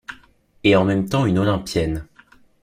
Et en même temps une olympienne.